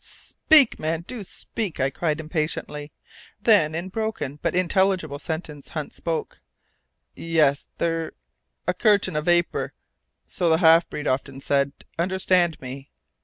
"Speak, man do speak!" I cried, impatiently. Then, in broken, but intelligible sentences, Hunt spoke, "Yes there a curtain of vapour so the half breed often said understand me.